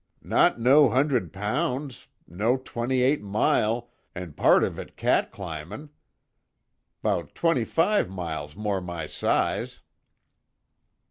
Not no hundred pounds no twenty eight mile, an' part of it cat climbin'. 'Bout twenty five's more my size."